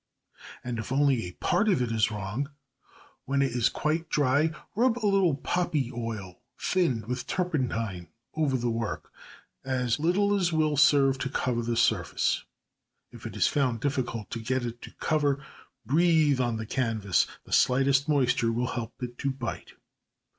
And if only a part of it is wrong, when it is quite dry rub a little, poppy oil thinned with turpentine over the work, as little as will serve to cover the surface. If it is found difficult to get it to cover, breathe on the canvas, the slightest moisture will help it to bite.